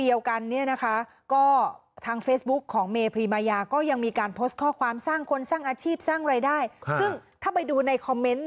เยอะมาก